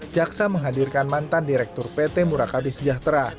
jaksa menghadirkan mantan direktur pt murakabi sejahtera